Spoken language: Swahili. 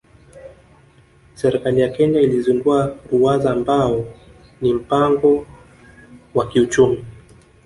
Serikali ya Kenya ilizindua Ruwaza ambao ni mpango wa kiuchumi